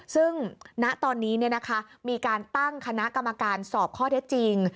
ซึ่งณตอนนี้มีการตั้งคณะกรรมการสอบข้อเท็จจริง